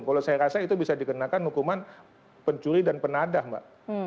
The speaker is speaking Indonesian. kalau saya rasa itu bisa dikenakan hukuman pencuri dan penadah mbak